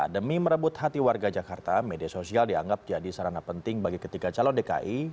demi merebut hati warga jakarta media sosial dianggap jadi sarana penting bagi ketiga calon dki